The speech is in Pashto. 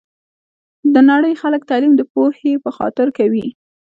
د نړۍ خلګ تعلیم د پوهي په خاطر کوي